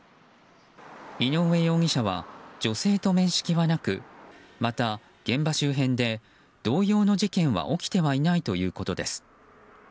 井上容疑者は、女性と面識はなくまた、現場周辺で同様の事件は起きてはいないということです。